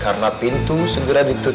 karena pintu segera dibuka